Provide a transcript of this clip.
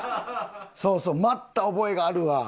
そうそう待った覚えがあるわ。